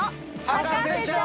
『博士ちゃん』！